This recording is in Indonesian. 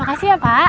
makasih ya pak